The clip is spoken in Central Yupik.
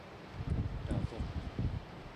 taruq